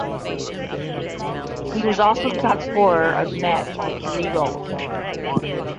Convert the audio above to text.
He was also the topscorer of the match with three goals.